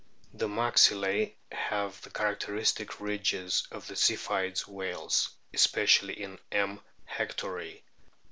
The maxillae have the characteristic ridges of the Ziphioid whales, especially in M. hectori.